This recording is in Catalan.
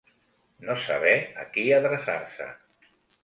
No saber a qui adreçar-se.